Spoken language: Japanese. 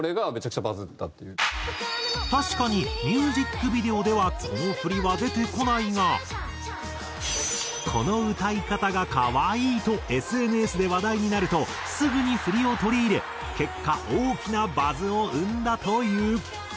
確かにミュージックビデオではこの振りは出てこないが「この歌い方が可愛い」とＳＮＳで話題になるとすぐに振りを取り入れ結果大きなバズを生んだという。